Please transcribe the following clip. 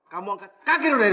kamu angkat kaki dari rumah ini